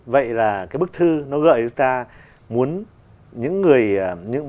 vậy là cái bức thư nó gợi cho ta